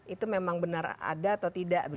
itu memang benar ada atau tidak